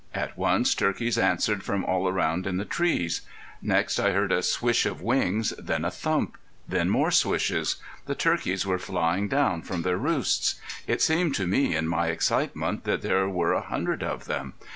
At once turkeys answered from all around in the trees. Next I heard a swish of wings, then a thump. Then more swishes. The turkeys were flying down from their roosts. It seemed to me in my excitement that there were a hundred of them.